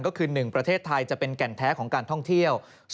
ก็คือ๑ประเทศไทยจะเป็นแก่นแท้ของการท่องเที่ยว